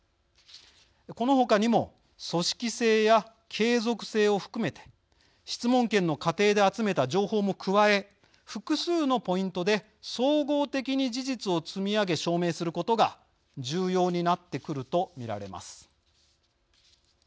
この他にも組織性や継続性を含めて質問権の過程で集めた情報も加え複数のポイントで総合的に事実を積み上げ証明することが重要になってくると見られます。